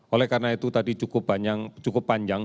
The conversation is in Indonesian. oleh karena itu tadi cukup panjang